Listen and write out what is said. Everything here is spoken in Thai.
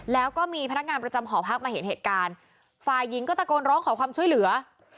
แล้วก็มีพนักงานประจำหอพักมาเห็นเหตุการณ์ฝ่ายหญิงก็ตะโกนร้องขอความช่วยเหลือ